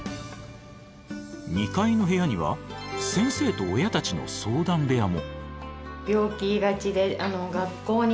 ２階の部屋には先生と親たちの相談部屋も。